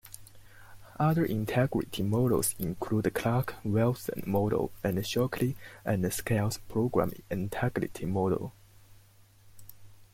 Other integrity models include the Clark-Wilson model and Shockley and Schell's program integrity model.